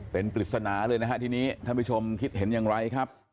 เป็นปริศนาเลยนะฮะทีนี้ท่านผู้ชมคิดเห็นอย่างไรครับ